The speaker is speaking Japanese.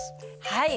はい。